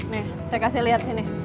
nih saya kasih lihat sini